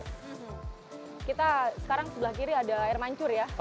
kita sekarang sebelah kiri ada air mancur ya